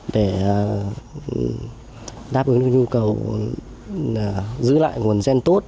để đáp ứng được nhu cầu giữ lại nguồn gen tốt